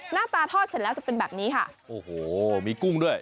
หน้าตาทอดเสร็จแล้วจะเป็นแบบนี้ค่ะโอ้โหมีกุ้งด้วย